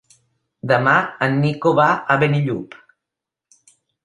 Demà en Nico va a Benillup.